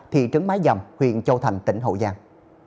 thị trấn mái dầm huyện châu thành tỉnh hậu giang